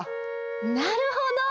なるほど！